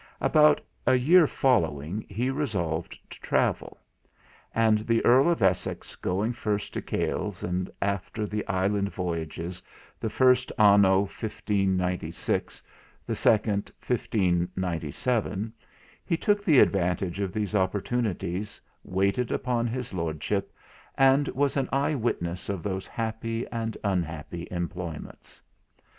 About a year following he resolved to travel: and the Earl of Essex going first to Cales, and after the Island voyages, the first anno 1596, the second 1597, he took the advantage of those opportunities, waited upon his Lordship, and was an eye witness of those happy and unhappy employments.